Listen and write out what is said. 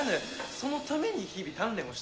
そのために日々鍛錬をしておる。